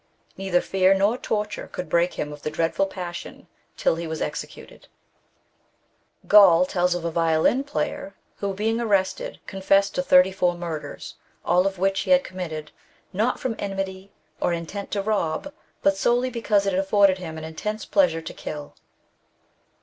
Neither fear nor toiiure could break him of the dread ful passion till he was executed. NATURAL CAUSES OF LYCANTHROPr. 137 Gall tells of a violin player, who, being arrested, confessed to thirty four mnrders, all of which he had committed, not from enmity or intent to rob, but solely because it afforded him an intense pleasure to kill.